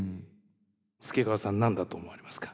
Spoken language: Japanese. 助川さん何だと思われますか？